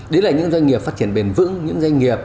đấy là những doanh nghiệp phát triển bền vững